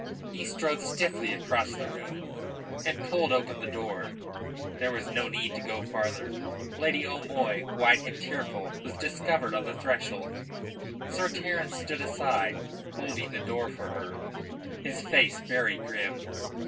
He strode stiffly across the room and pulled open the door. There was no need to go farther. Lady O'Moy, white and tearful, was discovered on the threshold. Sir Terence stood aside, holding the door for her, his face very grim.